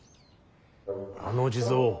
あの地蔵